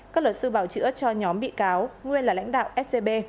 các luật sư bảo trữ ấp cho nhóm bị cáo nguyên là lãnh đạo scb